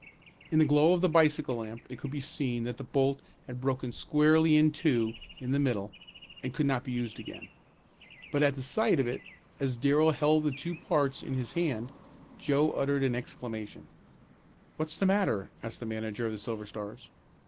In the glow of the bicycle lamp it could be seen that the bolt had broken squarely in two in the middle, and could not be used again. But at the sight of it, as Darrell held the two parts in his hand, Joe uttered an exclamation. "What's the matter?" asked the manager of the Silver Stars.